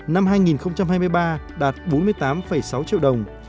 năm hai nghìn hai mươi ba đạt bốn mươi tám sáu triệu đồng